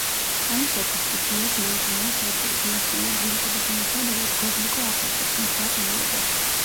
ამისათვის კი გიას მანქანაა საჭირო, გიას წინააღმდეგობის მიუხედავად, გოგლიკო ახერხებს მის დაყოლიებას.